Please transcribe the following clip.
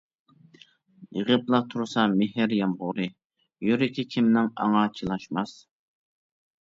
يېغىپلا تۇرسا مېھىر يامغۇرى، يۈرىكى كىمنىڭ ئاڭا چىلاشماس.